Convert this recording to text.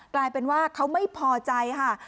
กลายเป็นว่าเขาไม่พอใจค่ะ